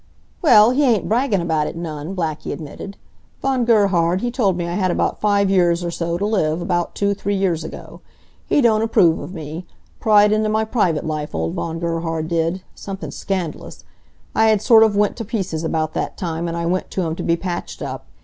"Well, he ain't braggin' about it none," Blackie admitted. "Von Gerhard, he told me I had about five years or so t' live, about two, three years ago. He don't approve of me. Pried into my private life, old Von Gerhard did, somethin' scand'lous. I had sort of went to pieces about that time, and I went t' him to be patched up.